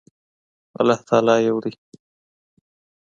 الله تعالی يو ده